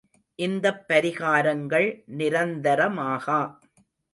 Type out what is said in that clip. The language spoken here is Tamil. இந்தப் பரிகாரங்கள் நிரந்தரமாகா.